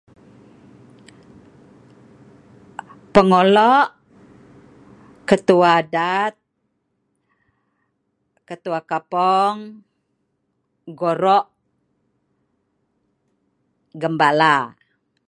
Pengolok, ketua dat, ketua kapong, gorok, gembala